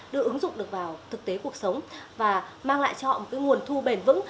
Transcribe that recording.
được ứng dụng vào thực tế cuộc sống và mang lại cho họ nguồn thu bền vững